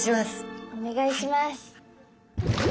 お願いします。